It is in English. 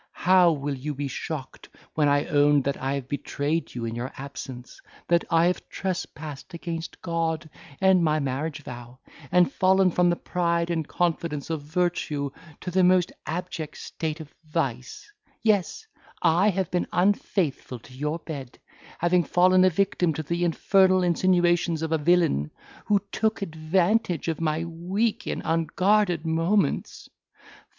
how will you be shocked when I own that I have betrayed you in your absence, that I have trespassed against God and my marriage vow, and fallen from the pride and confidence of virtue to the most abject state of vice; yes, I have been unfaithful to your bed, having fallen a victim to the infernal insinuations of a villain, who took advantage of my weak and unguarded moments.